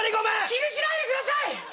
気にしないでください！